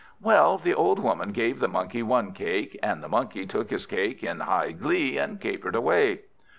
Well, the old Woman gave the Monkey one cake, and the Monkey took his cake in high glee, and capered away.